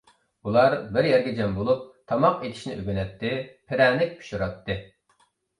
ئۇلار بىر يەرگە جەم بولۇپ، تاماق ئېتىشنى ئۆگىنەتتى، پىرەنىك پىشۇراتتى.